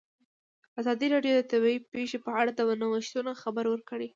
ازادي راډیو د طبیعي پېښې په اړه د نوښتونو خبر ورکړی.